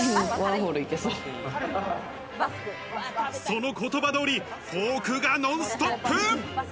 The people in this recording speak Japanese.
その言葉通り、フォークがノンストップ！